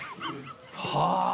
はあ。